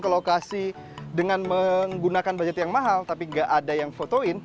ke lokasi dengan menggunakan budget yang mahal tapi gak ada yang fotoin